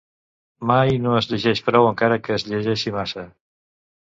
Mai no es llegeix prou encara que es llegeixi massa.